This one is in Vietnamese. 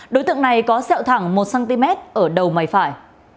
đối tượng này có sẹo thẳng một cm ở đầu mà phải